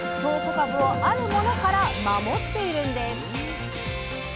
かぶをあるものから守っているんです。